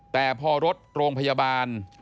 แต่พอรถโรงพยาบาล